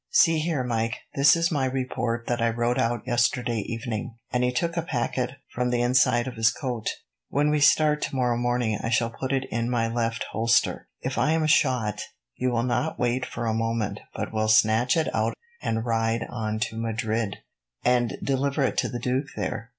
"See here, Mike, this is my report that I wrote out yesterday evening;" and he took a packet from the inside of his coat. "When we start tomorrow morning I shall put it in my left holster. If I am shot, you will not wait for a moment, but will snatch it out and ride on to Madrid, and deliver it to the duke there.